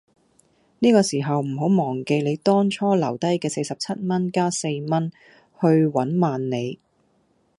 呢個時候唔好忘記你當初留低既四十七蚊加四蚊，去搵萬里